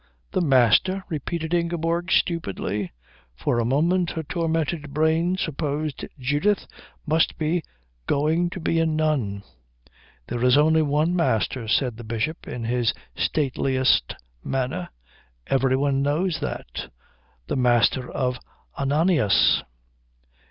"The Master?" repeated Ingeborg, stupidly. For a moment her tormented brain supposed Judith must be going to be a nun. "There is only one Master," said the Bishop, in his stateliest manner. "Everybody knows that. The Master of Ananias."